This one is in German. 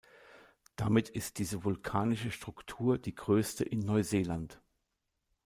Damit ist diese vulkanische Struktur die größte in Neuseeland.